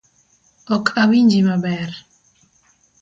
Ok awinji maber.